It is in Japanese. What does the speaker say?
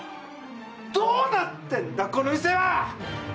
どうなってんだ、この店は！